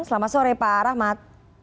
selamat sore pak rahmat